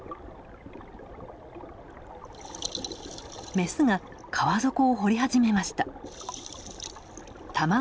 メスが川底を掘り始めました。